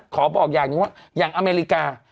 ขอบอกอย่างหนึ่งว่าอย่างอเมริกา